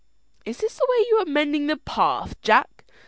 "Is this the way you are mending the path, Jack?"